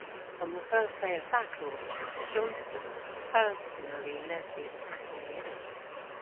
On the first day of battle, Johnston personally led the attack on the enemy.